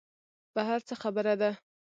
بهر څه خبره ده.